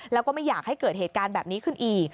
แล้วก็ไม่อยากให้เกิดเหตุการณ์แบบนี้ขึ้นอีก